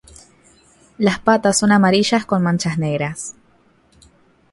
Las patas son amarillas con manchas negras.